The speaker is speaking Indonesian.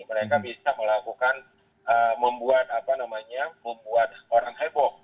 mereka bisa melakukan membuat apa namanya membuat orang heboh